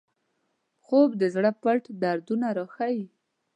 خوب د زړه پټ دردونه راښيي